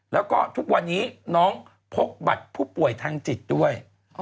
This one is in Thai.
แล้วก็ทุกวันนี้น้องพกบัตรผู้ป่วยทางจิตด้วย